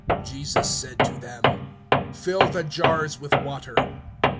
(7)Jesus says to them: Fill the water pots with water.